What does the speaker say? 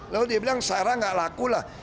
lalu dia bilang sarah gak laku lah